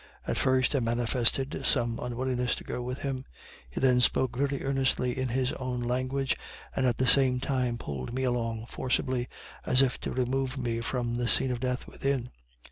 At first I manifested some unwillingness to go with him. He then spoke very earnestly in his own language, and at the same time pulled me along forcibly, as if to remove me from the scene of death within.